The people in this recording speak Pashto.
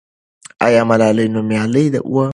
آیا ملالۍ نومیالۍ وه؟